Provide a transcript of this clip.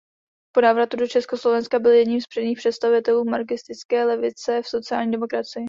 Po návratu do Československa byl jedním z předních představitelů marxistické levice v sociální demokracii.